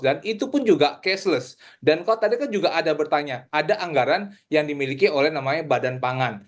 dan itu pun juga caseless dan kalau tadi kan juga ada bertanya ada anggaran yang dimiliki oleh namanya badan pangan